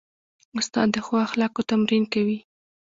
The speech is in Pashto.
استاد د ښو اخلاقو تمرین کوي.